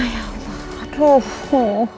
ya allah aduh